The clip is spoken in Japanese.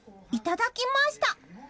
いただきました！